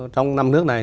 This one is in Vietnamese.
trong năm nước này